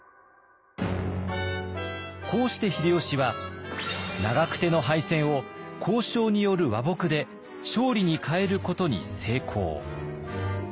こうして秀吉は長久手の敗戦を交渉による和睦で勝利に変えることに成功。